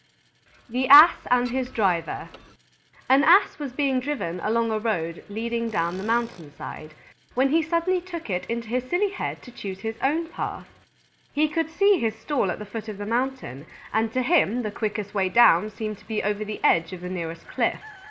_ THE ASS AND HIS DRIVER An Ass was being driven along a road leading down the mountain side, when he suddenly took it into his silly head to choose his own path. He could see his stall at the foot of the mountain, and to him the quickest way down seemed to be over the edge of the nearest cliff.